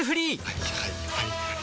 はいはいはいはい。